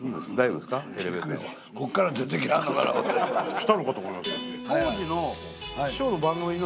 来たのかと思いました。